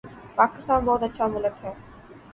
پاکستان بہت اچھا ملک ہے